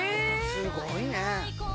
すごいね。